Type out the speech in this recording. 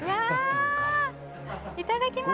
いただきます！